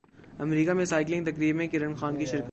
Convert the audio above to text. امریکہ میں سائیکلنگ تقریب میں کرن خان کی شرکت